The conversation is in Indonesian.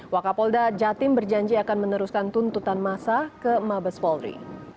wakapolda jatim berjanji akan meneruskan tuntutan masa ke mabes polri